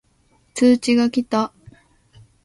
通知が来た